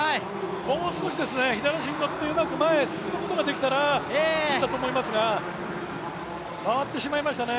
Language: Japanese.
もう少し左足に乗ってうまく前へ進むことができたらいったと思いますが、回ってしまいましたね。